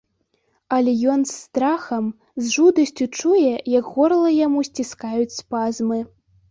Але ён з страхам, з жудасцю чуе, як горла яму сціскаюць спазмы.